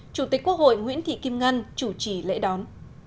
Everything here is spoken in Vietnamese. chủ tịch quốc hội nguyễn thị kim ngân chủ trì lễ đón